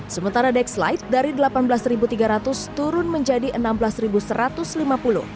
sementara dex light dari rp delapan belas tiga ratus turun menjadi rp enam belas satu ratus lima puluh